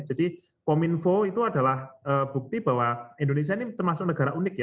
jadi pominfo itu adalah bukti bahwa indonesia ini termasuk negara unik ya